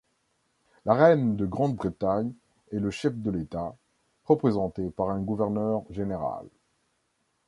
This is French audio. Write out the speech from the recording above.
La reine de Grande-Bretagne est le chef de l’État, représentée par un gouverneur général.